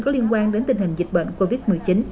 có liên quan đến tình hình dịch bệnh covid một mươi chín